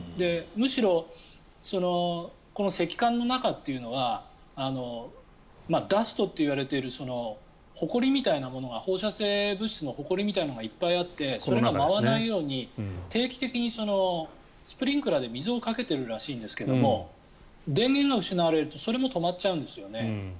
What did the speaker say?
むしろ、この石棺の中というのはダストと言われているほこりみたいなもの放射性物質のほこりみたいなのがたくさんあってそれが舞わないように定期的にスプリンクラーで水をかけているらしいんですが電源が失われるとそれも止まっちゃうんですよね。